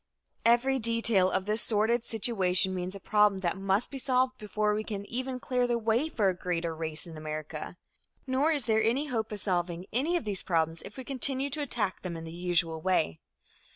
Every detail of this sordid situation means a problem that must be solved before we can even clear the way for a greater race in America. Nor is there any hope of solving any of these problems if we continue to attack them in the usual way.